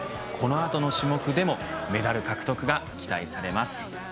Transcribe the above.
この後の種目でもメダル獲得が期待されます。